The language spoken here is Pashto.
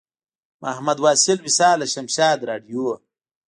محمد واصل وصال له شمشاد راډیو.